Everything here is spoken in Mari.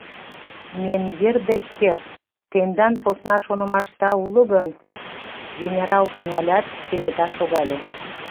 — Менгер Деккер, тендан посна шонымашда уло гын... — генерал тӱҥалят, кенета шогале.